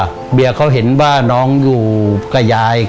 เบียร์เขาเห็นว่าน้องอยู่กับยาย